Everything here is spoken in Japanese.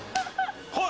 はい。